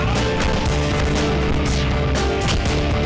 tenang ya mbak ya